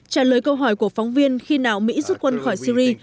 trả lời câu hỏi của phóng viên khi nào mỹ rút quân khỏi syri